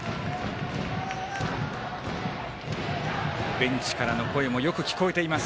ベンチからの声もよく聞こえています